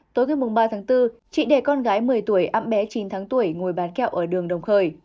tối ngày ba tháng bốn chị để con gái một mươi tuổi ấm bé chín tháng tuổi ngồi bán kẹo ở đường đồng khời